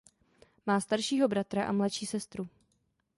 Má staršího bratra a mladší sestru.